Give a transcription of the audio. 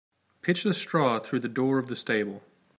Pitch the straw through the door of the stable.